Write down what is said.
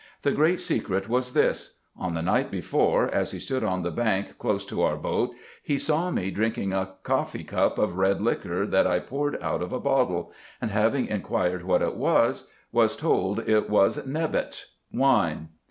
The great secret was this : on the night before, as he stood on the bank close to our boatj he saw me drinking a coffee cup of red liquor that I poured out of a bottle ; and having inquired what it was, was told it was nebet (wine).